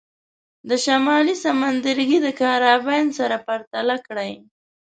د شمالي سمندرګي د کارابین سره پرتله کړئ.